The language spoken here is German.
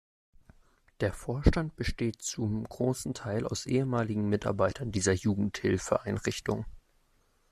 Der Vorstand besteht zum großen Teil aus ehemaligen Mitarbeitern dieser Jugendhilfeeinrichtung.